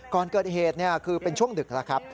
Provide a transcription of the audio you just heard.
ก่อนเกิดเหตุคือเป็นช่วงดึกแล้วครับ